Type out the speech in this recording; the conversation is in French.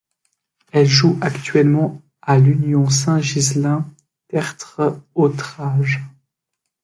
Elle joue actuellement à l'Union St-Ghislain Tertre Hautrage.